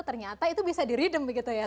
ternyata itu bisa di ridem begitu ya